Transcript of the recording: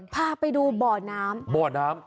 พาไปดูบ่อน้ำ